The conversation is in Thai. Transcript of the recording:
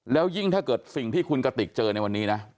แล้วยิ่งถ้าเกิดสิ่งที่คุณกติกเจอในวันนี้นะ